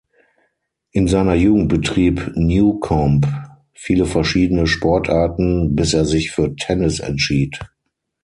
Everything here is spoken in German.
In seiner Jugend betrieb Newcombe viele verschiedene Sportarten, bis er sich für Tennis entschied.